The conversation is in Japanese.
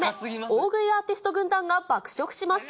大食いアーティスト軍団が爆食します。